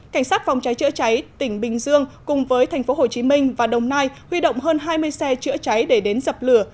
cảnh sát phòng cháy chữa cháy tỉnh bình dương cùng với tp hcm và đồng nai huy động hơn hai mươi xe chữa cháy để đến dập lửa